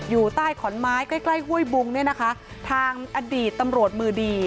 อยู่ใต้ขอนไม้ใกล้ใกล้ห้วยบุงเนี่ยนะคะทางอดีตตำรวจมือดี